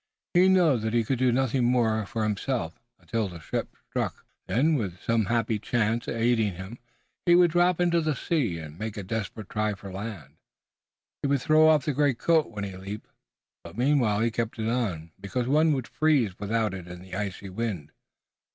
He knew that he could do nothing more for himself until the ship struck. Then, with some happy chance aiding him, he would drop into the sea and make a desperate try for the land. He would throw off the greatcoat when he leaped, but meanwhile he kept it on, because one would freeze without it in the icy wind.